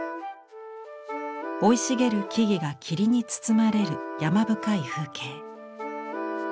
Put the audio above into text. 生い茂る木々が霧に包まれる山深い風景。